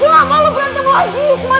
jangan mau lo berantem lagi usman